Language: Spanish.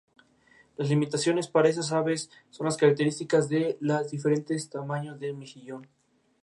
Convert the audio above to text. El sistema de apareamiento no es conocido, pero se piensa que son polígamos.